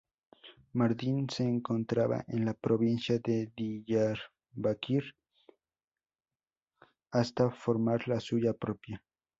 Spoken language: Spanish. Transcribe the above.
Mardin se encontraba en la provincia de Diyarbakır hasta formar la suya propia.